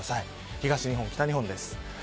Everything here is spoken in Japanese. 東日本、北日本です。